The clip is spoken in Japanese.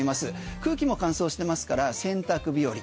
空気も乾燥してますから洗濯日和。